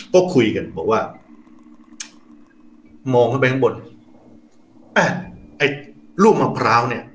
ก็คุยกันบอกว่ามองขึ้นไปข้างบนอ่ะไอ้ลูกมะพร้าวเนี่ย